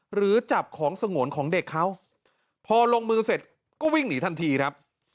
หรือจับของสงวนของเด็กเขาพอลงมือเสร็จก็วิ่งหนีทันทีครับ